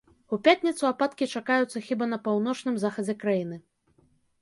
У пятніцу ападкі чакаюцца хіба па паўночным захадзе краіны.